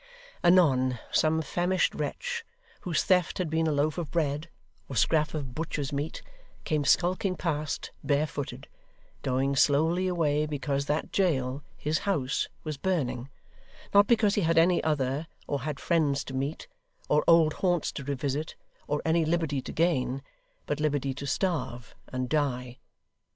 Anon some famished wretch whose theft had been a loaf of bread, or scrap of butcher's meat, came skulking past, barefooted going slowly away because that jail, his house, was burning; not because he had any other, or had friends to meet, or old haunts to revisit, or any liberty to gain, but liberty to starve and die.